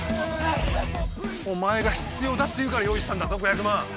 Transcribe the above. お前が必要だって言うから用意したんだぞ５００万。